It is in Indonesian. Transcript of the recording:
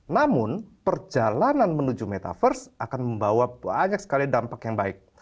namun perjalanan menuju metaverse akan membawa banyak sekali dampak yang baik